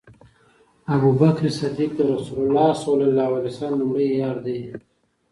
ابوبکر صديق د رسول الله صلی الله عليه وسلم لومړی یار دی